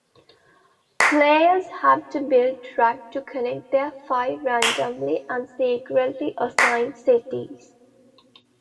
Players have to build track to connect their five randomly and secretly assigned cities.